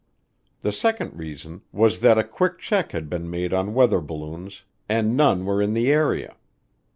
The second reason was that a quick check had been made on weather balloons and none were in the area.